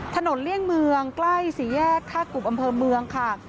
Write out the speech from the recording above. เลี่ยงเมืองใกล้สี่แยกท่ากลุ่มอำเภอเมืองค่ะ